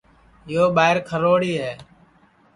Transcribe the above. یو ٻائیر کھروڑِی ہے